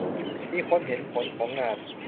มีคนเห็นผลของงาน